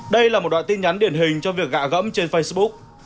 đây là một đoạn tin nhắn điển hình cho việc gạ gẫm trên facebook